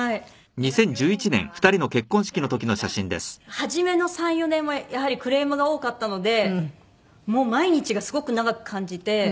初めの３４年はやはりクレームが多かったのでもう毎日がすごく長く感じて。